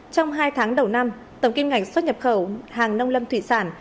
trong hai tháng đầu năm tổng kiếm ngành xuất nhập khẩu hàng nông lâm thuyền sản